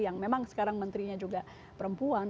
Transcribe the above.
yang memang sekarang menterinya juga perempuan